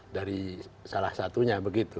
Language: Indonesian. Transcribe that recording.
dari salah satunya begitu